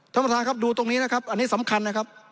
ท่านประธานครับดูตรงนี้นะครับอันนี้สำคัญนะครับ